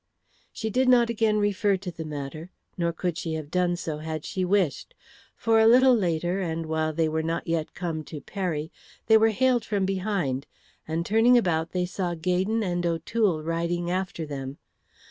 She did not again refer to the matter, nor could she so have done had she wished. For a little later and while they were not yet come to Peri, they were hailed from behind, and turning about they saw Gaydon and O'Toole riding after them.